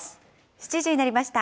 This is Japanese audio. ７時になりました。